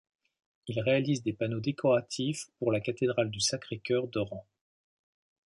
Il réalise des panneaux décoratifs pour la cathédrale du Sacré-Cœur d'Oran.